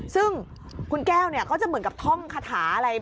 ซึ่งคุณแก้วเนี่ยก็จะเหมือนกับท่องคาถาอะไร